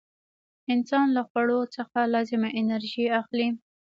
انسان له خوړو څخه لازمه انرژي اخلي.